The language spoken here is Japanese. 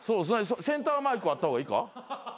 センターマイクあった方がいいか？